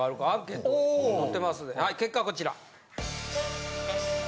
結果はこちら。